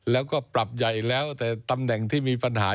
แล้วก็ปรับใหญ่แล้วแต่ตำแหน่งที่มีปัญหา